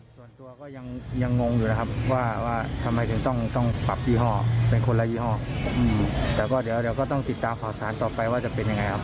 ส่วนตัวก็ยังงงอยู่นะครับว่าทำไมถึงต้องปรับยี่ห้อเป็นคนละยี่ห้อแต่ก็เดี๋ยวก็ต้องติดตามข่าวสารต่อไปว่าจะเป็นยังไงครับ